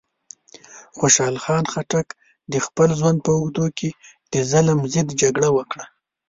خوشحال خان خټک د خپل ژوند په اوږدو کې د ظلم ضد جګړه وکړه.